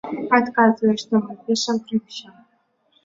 Адказваю, што мы пішам пра ўсё.